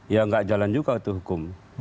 ya nggak jalan juga itu hukum